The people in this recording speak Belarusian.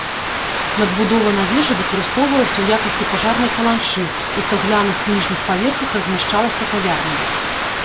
Надбудова на вежы выкарыстоўвалася ў якасці пажарнай каланчы, у цагляных ніжніх паверхах размяшчалася кавярня.